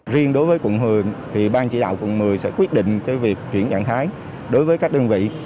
riêng đối với quận một mươi thì ban chỉ đạo quận một mươi sẽ quyết định việc chuyển trạng thái đối với các đơn vị